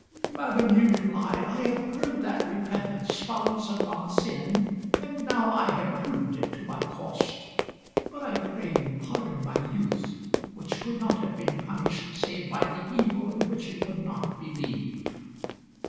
"Madam," he replied, "I have heard that repentance follows upon sin, and now I have proved it to my cost. But I pray you pardon my youth, which could not have been punished save by the evil in which it would not believe."